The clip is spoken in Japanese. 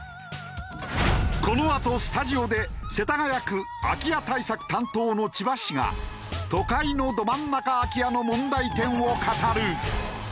このあとスタジオで世田谷区空家対策担当の千葉氏が都会のど真ん中空き家の問題点を語る。